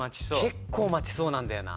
結構待ちそうなんだよな。